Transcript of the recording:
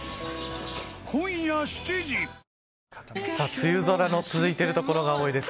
梅雨空が続いている所が多いです。